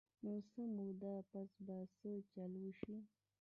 نو څۀ موده پس به څۀ چل اوشي -